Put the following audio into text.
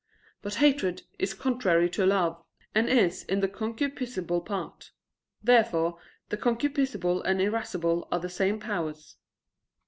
But hatred is contrary to love, and is in the concupiscible part. Therefore the concupiscible and irascible are the same powers.